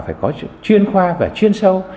phải có chuyên khoa và chuyên sâu